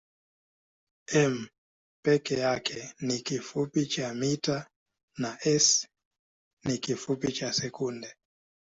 m peke yake ni kifupi cha mita na s ni kifupi cha sekunde.